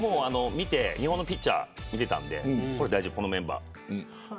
日本のピッチャーを見ていたんでこのメンバーは大丈夫。